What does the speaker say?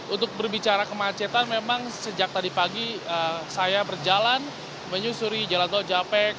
untuk berbicara kemacetan memang sejak tadi pagi saya berjalan menyusuri jalan tol japek